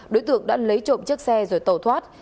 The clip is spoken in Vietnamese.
đối tượng đã lấy trộm chiếc xe rồi tẩu thoát